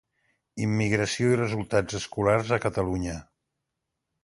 Immigració i resultats escolars a Catalunya.